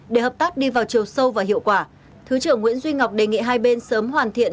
để hợp tác đi vào chiều sâu và hiệu quả thứ trưởng nguyễn duy ngọc đề nghị hai bên sớm hoàn thiện